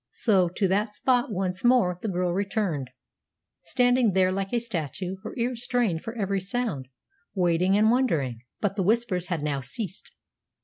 So to that spot once more the girl returned, standing there like a statue, her ears strained for every sound, waiting and wondering. But the Whispers had now ceased.